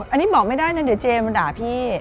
อันนี้บอกไม่ได้นะเดี๋ยวเจมาด่าพี่